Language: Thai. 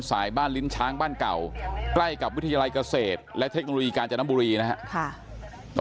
สายบ้านลิ้นช้างบ้านเก่าใกล้กับวิทยาลัยเกษตรและเทคโนโลยีกาญจนบุรีนะครับ